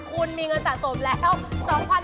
คุณมีเงินตาร์สบแล้ว๒๐๐๐บาท